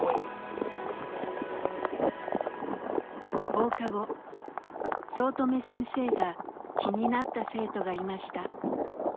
放課後早乙女先生が気になった生徒がいました。